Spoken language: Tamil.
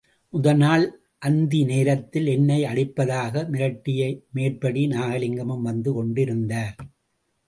முதல் நாள் அந்தி நேரத்தில் என்னை அடிப்பதாக மிரட்டிய மேற்படி நாகலிங்கமும் வந்து கொண்டு இருந்தார்.